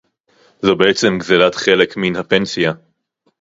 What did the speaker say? זו בעצם גזלת חלק מן הפנסיה